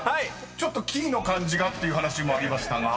［ちょっとキーの感じがっていう話もありましたが］